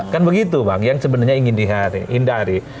kan begitu bang yang sebenarnya ingin dihindari